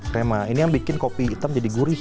krema ini yang bikin kopi hitam jadi gurih